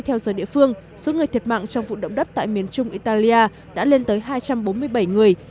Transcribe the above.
theo giờ địa phương số người thiệt mạng trong vụ động đất tại miền trung italia đã lên tới hai trăm bốn mươi bảy người